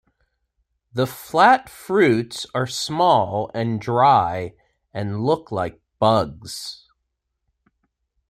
The flat fruits are small and dry and look like bugs.